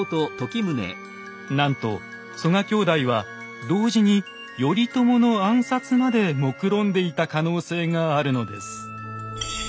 なんと曽我兄弟は同時に頼朝の暗殺までもくろんでいた可能性があるのです。